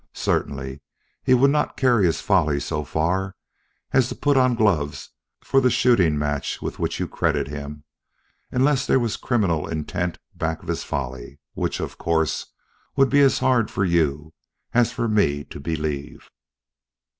Certainly he would not carry his folly so far as to put on gloves for the shooting match with which you credit him, unless there was criminal intent back of his folly which, of course, would be as hard for you as for me to believe."